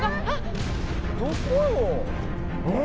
どこよ？